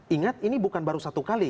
ingat ini bukan baru satu kali